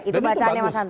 oke itu bacaannya mas hanta